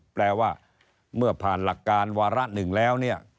แปลว่าเมื่อผ่านหลักการวาระ๑แล้ว